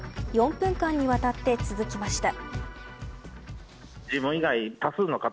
４分間に渡って続きました。